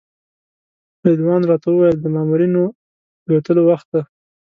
رضوان راته وویل د مامورینو د وتلو وخت دی.